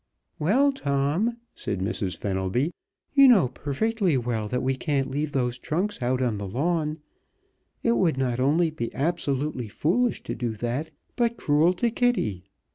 "Well, Tom," said Mrs. Fenelby, "you know perfectly well that we can't leave those trunks out on the lawn. It would not only be absolutely foolish to do that, but cruel to Kitty.